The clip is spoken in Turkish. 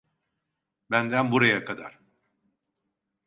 Benden buraya kadar.